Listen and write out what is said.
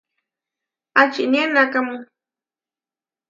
¿Ačinía enakámu?